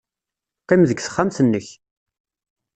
Qqim deg texxamt-nnek.